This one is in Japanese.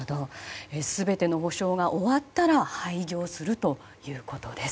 全ての補償が終わったら廃業するということです。